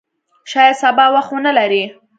شاید سبا وخت ونه لرې !